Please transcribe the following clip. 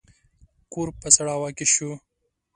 کور په سړه هوا کې شو.